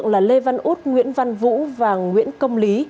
là lê văn út nguyễn văn vũ và nguyễn công lý